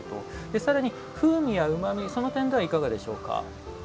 さらに風味やうまみその点ではいかがでしょうか？